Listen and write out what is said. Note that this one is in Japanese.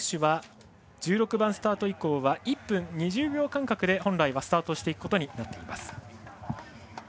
このあと各選手は１６番スタート以降は１分２０秒間隔で本来はスタートしていくことになっています。